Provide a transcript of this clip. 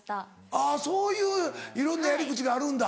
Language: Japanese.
あぁそういういろんなやり口があるんだ。